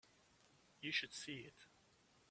You should see it.